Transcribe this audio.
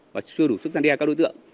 và chưa đủ sức gian đe các đối tượng